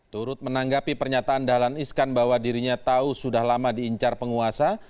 turut menanggapi pernyataan dahlan iskan bahwa dirinya tahu sudah lama diincar penguasa